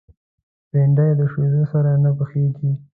بېنډۍ د شیدو سره نه پخېږي